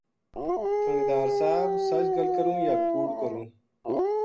تھہانیدار صاحب ! سچ گل کروں یا کوڑ کروں